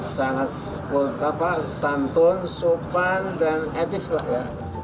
sangat santun sopan dan etis lah ya